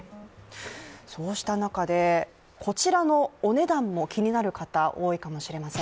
そうした中で、こちらのお値段も気になる方多いかもしれません。